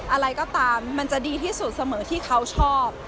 อะไรก็ตามมันจะดีที่สุดเสมอที่เขาชอบ